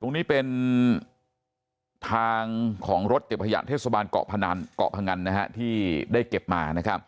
ตรงนี้เป็นทางของรถเก็บขยะเทศบาลเกาะพนันเกาะพงันนะฮะที่ได้เก็บมานะครับ